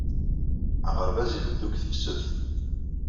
Aɣerbaz ibeddu deg tefsut.